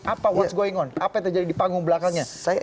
apa yang terjadi di panggung belakangnya